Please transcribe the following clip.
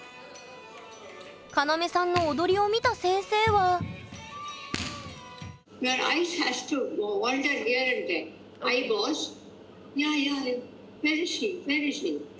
カナメさんの踊りを見た先生はＯＫ。